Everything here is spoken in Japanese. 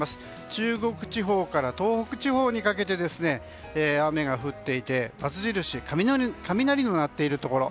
中国地方から東北地方にかけて雨が降っていてバツ印、雷のなっているところ。